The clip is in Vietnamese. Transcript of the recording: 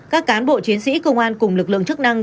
các cán bộ chiến sĩ công an cùng lực lượng chức năng